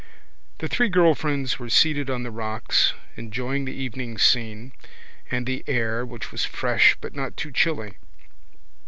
The three girl friends were seated on the rocks, enjoying the evening scene and the air which was fresh but not too chilly.